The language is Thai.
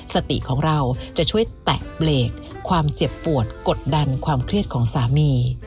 สติของเราจะช่วยแตะเบรกความเจ็บปวดกดดันความเครียดของสามี